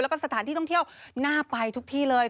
แล้วก็สถานที่ท่องเที่ยวน่าไปทุกที่เลย